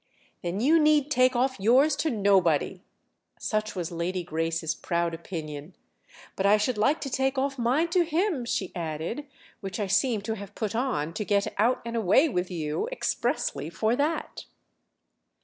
"Then you need take off yours to nobody!"—such was Lady Grace's proud opinion. "But I should like to take off mine to him," she added; "which I seem to have put on—to get out and away with you—expressly for that."